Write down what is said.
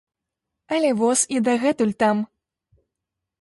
Але воз і дагэтуль там.